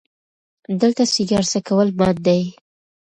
دلته سیګار څکول منع دي🚭